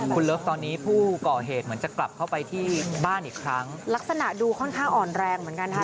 คุณเลิฟตอนนี้ผู้ก่อเหตุเหมือนจะกลับเข้าไปที่บ้านอีกครั้งลักษณะดูค่อนข้างอ่อนแรงเหมือนกันค่ะ